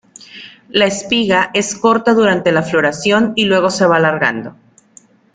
La espiga es corta durante la floración y luego se va alargando.